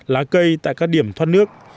lá cây tại các điểm thoát nước